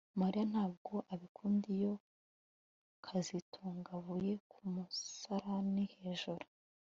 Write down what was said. Mariya ntabwo abikunda iyo kazitunga avuye ku musarani hejuru